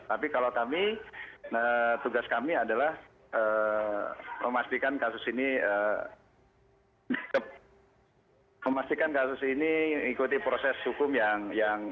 tapi kalau kami tugas kami adalah memastikan kasus ini ikuti proses hukum yang